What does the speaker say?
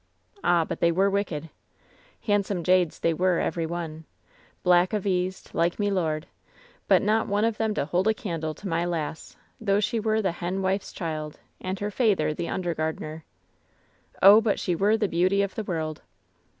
"Ah, but they were wicked ! "Handsome jades they were, every one. Black a vized, like me lord, but not one of them to hold a candle to my lass, though she were the hen wife's child, and her feyther the undergardener. "Oh, but she were the beauty of the world